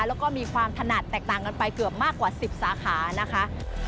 แล้วก็มีความถนัดแตกต่างกันไปเกือบมากกว่า๑๐สาขานะคะ